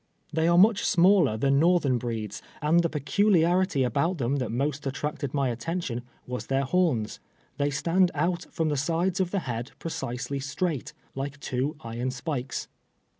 They are much smaller than northern breeds, and the peculiarity about them that most at tracted ray attention was their horns. They stand out from the sides of the head precisely straight, like two iron spikes.